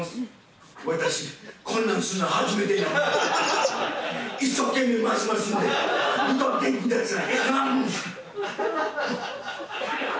私こんなんすんの初めてなもんで一生懸命回しますんで見とってください。